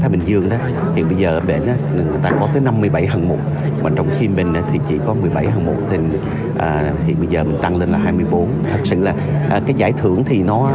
mình hút thì mình mới có mình thôi